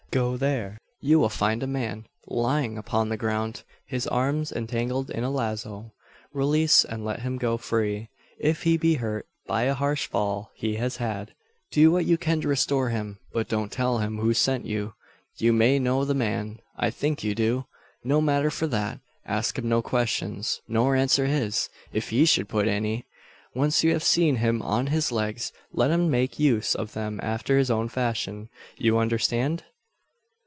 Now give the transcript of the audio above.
Go there. You will find a man lying upon the ground, his arms entangled in a lazo. Release, and let him go free. If he be hurt by a harsh fall he has had do what you can to restore him; but don't tell him who sent you. You may know the man I think you do. No matter for that. Ask him no questions, nor answer his, if he should put any. Once you have seen him on his legs, let him make use of them after his own fashion. You understand?"